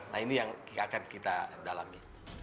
nah ini yang akan kita dalami